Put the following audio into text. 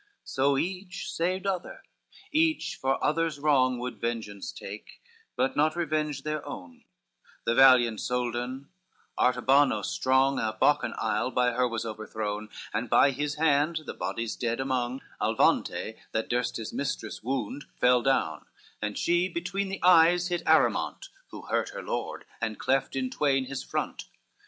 XXXVII So each saved other, each for other's wrong Would vengeance take, but not revenge their own: The valiant Soldan Artabano strong Of Boecan Isle, by her was overthrown, And by his hand, the bodies dead among, Alvante, that durst his mistress wound, fell down, And she between the eyes hit Arimont, Who hurt her lord, and cleft in twain his front.